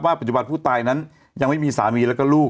ปัจจุบันผู้ตายนั้นยังไม่มีสามีแล้วก็ลูก